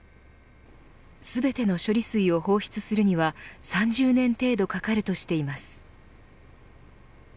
全ての処理水を放出するには３０年程度かかるとしています。